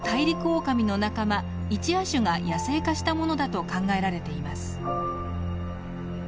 オオカミの仲間一亜種が野生化したものだと考えられています。